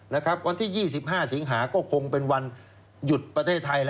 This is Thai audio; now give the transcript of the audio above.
วันที่๒๕สิงหาก็คงเป็นวันหยุดประเทศไทย